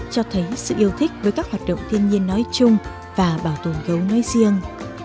cho thấy sự yêu thích với các hoạt động thiên nhiên nói chung và bảo tồn gấu nói riêng